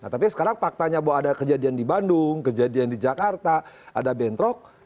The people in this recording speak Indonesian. tapi sekarang faktanya bahwa ada kejadian di bandung kejadian di jakarta ada bentrok